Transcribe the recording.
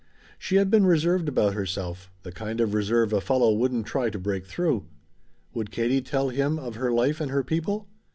She had been reserved about herself the kind of reserve a fellow wouldn't try to break through. Would Katie tell him of her life and her people?